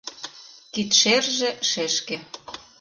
Кидшерже, шешке.